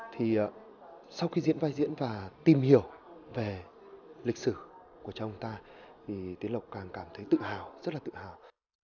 thì sau khi diễn vai diễn và tìm hiểu về lịch sử của cha ông ta thì tiến lộc càng cảm thấy tự hào rất là tự hào